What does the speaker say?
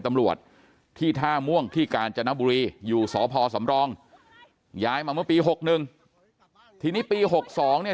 ตำรวจที่ท่าม่วงที่กาญจนบุรีอยู่สพสำรองย้ายมาเมื่อปี๖๑ทีนี้ปี๖๒เนี่ย